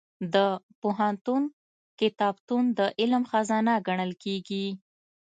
د پوهنتون کتابتون د علم خزانه ګڼل کېږي.